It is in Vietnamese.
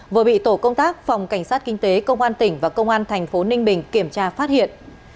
vừa bị tổ công tác phòng cảnh sát kinh tế công an tỉnh và công an thành phố ninh bình kiểm tra phát hiện